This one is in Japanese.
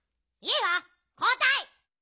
いいわこうたい！